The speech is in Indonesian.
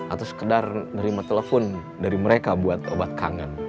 atau sekedar nerima telepon dari mereka buat obat kangen